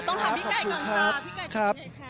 ต้องถามพี่ไก่ก่อนค่ะ